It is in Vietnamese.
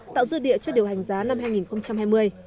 tạo dư địa cho điều hành giá năm hai nghìn hai mươi